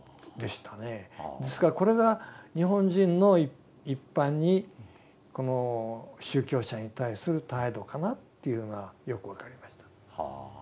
ですからこれが日本人の一般にこの宗教者に対する態度かなというのがよく分かりました。